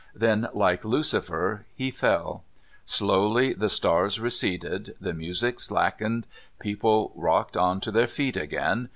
Then, like Lucifer, he fell. Slowly the stars receded, the music slackened, people rocked on to their feet again...